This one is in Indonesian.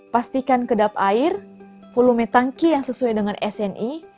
pastikan kedap air volume tangki yang sesuai dengan sni